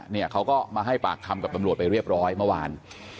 เนี่ยเขาก็มาให้ปากคำกับตำรวจไปเรียบร้อยเมื่อวาน